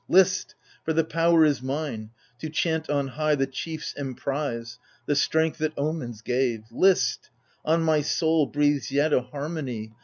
List ! for the power is mine, to chant on high The chiefs' emprise, the strength that omens gave ! List 1 on my soul breathes yet a harmony.